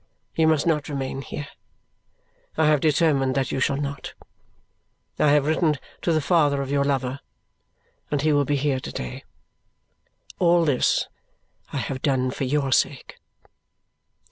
You must not remain here. I have determined that you shall not. I have written to the father of your lover, and he will be here to day. All this I have done for your sake."